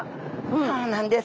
そうなんです。